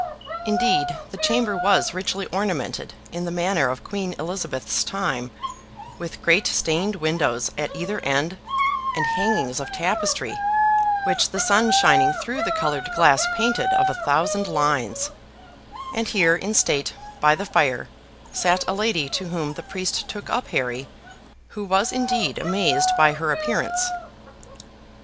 Indeed, the chamber was richly ornamented in the manner of Queen Elizabeth's time, with great stained windows at either end, and hangings of tapestry, which the sun shining through the colored glass painted of a thousand lines; and here in state, by the fire, sat a lady to whom the priest took up Harry, who was indeed amazed by her appearance.